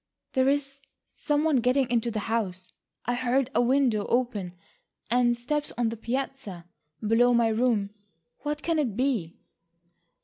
"There is some one getting into the house. I heard a window open and steps on the piazza, below my room. What can it be?"